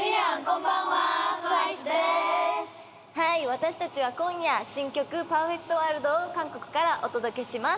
私たちは今夜、新曲、ＰｅｒｆｅｃｔＷｏｒｌｄを韓国からお届けします。